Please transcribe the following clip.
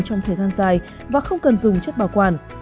trong thời gian dài và không cần dùng chất bảo quản